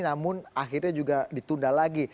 namun akhirnya juga ditunda lagi